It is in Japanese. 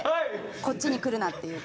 こっちにくるなっていう。